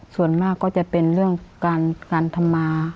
ส่วนมากก็จะเป็นเรื่องการทำมา